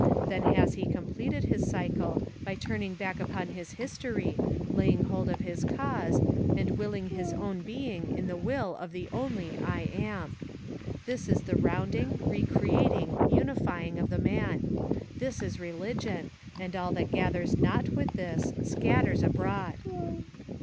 Then has he completed his cycle by turning back upon his history, laying hold of his cause, and willing his own being in the will of the only I AM. This is the rounding, re creating, unifying of the man. This is religion, and all that gathers not with this, scatters abroad."